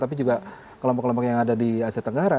tapi juga kelompok kelompok yang ada di asia tenggara